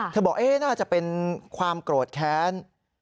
บอกน่าจะเป็นความโกรธแค้น